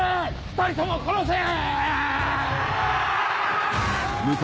２人とも殺せ！